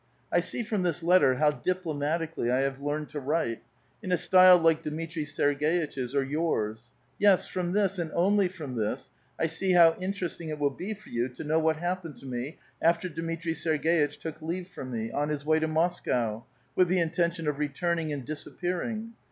I see from this letter how diplomatically I have learned to write — in a style like Dmitri Serg^itch's or yours; yes, from this, and only from this, I see how interesting it will be for you to know what happened to me after Dmitri Serg^ itch took leave from me, on his wa^* to Moscow, with the intention of returning and disappearing.